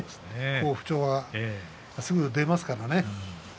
好不調がすぐ出ますからね。